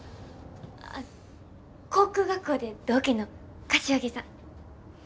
航空学校で同期の柏木さん。